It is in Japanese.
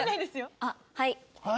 あっはい。